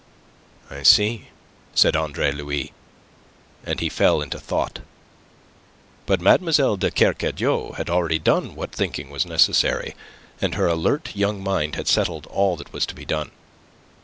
"I see," said Andre Louis, and he fell into thought. But Mlle. de Kercadiou had already done what thinking was necessary, and her alert young mind had settled all that was to be done.